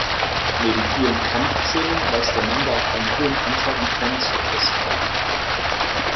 Neben vielen Kampfszenen weist der Manga auch einen hohen Anteil an „Fanservice“ auf.